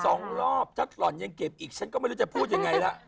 สองรอบถ้าหล่อนยังเก็บอีกฉันก็ไม่รู้จะพูดยังไงล่ะ